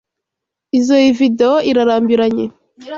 Izoi videwo irarambiranye.